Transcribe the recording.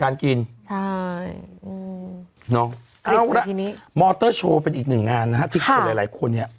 การกินน้องมอเตอร์โชว์เป็นอีกหนึ่งงานนะที่หลายคนเนี่ย